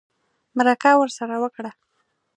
مرکه ورسره وکړه